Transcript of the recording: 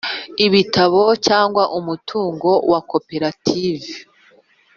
ibitabo cyangwa umutungo wa koperative